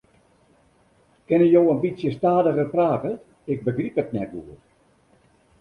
Kinne jo in bytsje stadiger prate, ik begryp it net goed.